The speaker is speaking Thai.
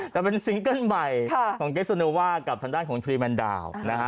แต่เป็นซิงเกิ้ลใหม่ของเกสโนว่ากับทางด้านของทรีแมนดาวนะฮะ